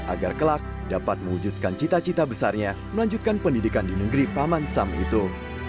agar kelak dapat mewujudkan cita cita besarnya melanjutkan pendidikan di negeri paman sam itu